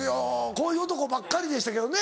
こういう男ばっかりでしたけどね。